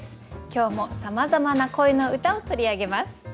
今日もさまざまな恋の歌を取り上げます。